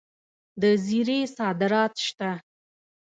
د زیرې صادرات شته.